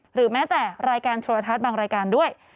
หรือแม้แต่รายการโทรทัศน์บางรายการด้วย